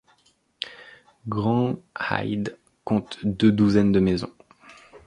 Grand-Heid compte deux douzaines de maisons.